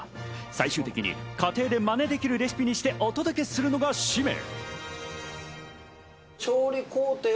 最終的に家庭でマネできるレシピにしてお届けするのが使命。